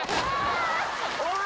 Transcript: ・おい！